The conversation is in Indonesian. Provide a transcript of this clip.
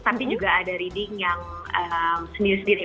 tapi juga ada reading yang sendiri sendiri